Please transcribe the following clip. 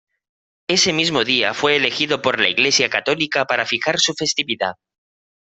Ese mismo día fue elegido por la Iglesia católica para fijar su festividad.